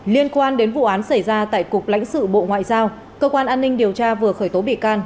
liên quan đến vụ án xảy ra tại cục lãnh sự bộ ngoại giao cơ quan an ninh điều tra vừa khởi tố bị can